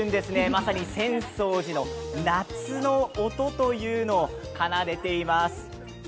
まさに浅草寺の夏の音というのを奏でています。